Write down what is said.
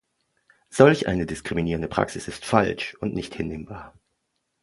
Solch eine diskriminierende Praxis ist falsch und nicht hinnehmbar.